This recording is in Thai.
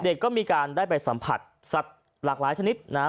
เด็กก็มีการได้ไปสัมผัสสัตว์หลากหลายชนิดนะฮะ